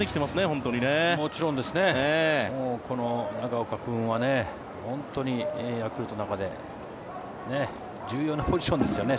この長岡君は本当にヤクルトの中で重要なポジションですよね。